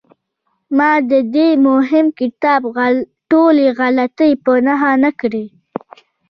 ما د دې مهم کتاب ټولې غلطۍ په نښه نه کړې.